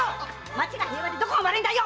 町が平和でどこが悪いんだよ！